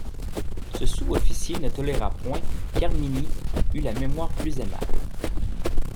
Ce sous-officier ne toléra point qu'Herminie eût la mémoire plus aimable.